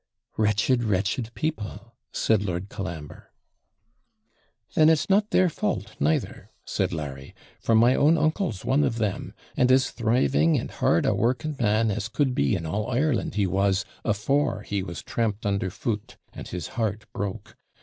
'Wretched, wretched people!' said Lord Colambre. 'Then it's not their fault neither,' said Larry; 'for my own uncle's one of them, and as thriving and hard a working man as could be in all Ireland, he was, AFORE he was tramped under foot, and his heart broke.